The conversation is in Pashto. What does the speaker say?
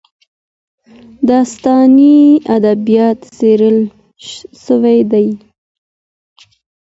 داستاني ادبیات څېړل سوي دي.